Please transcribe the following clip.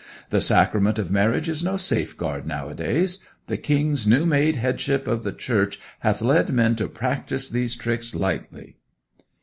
The sacrament of marriage is no safeguard nowadays. The King's new made headship of the Church hath led men to practise these tricks lightly.'